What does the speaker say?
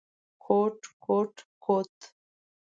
کوټ کوټ کوت…